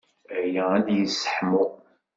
Aya ad k-yesseḥmu.